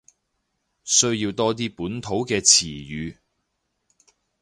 需要多啲本土嘅詞語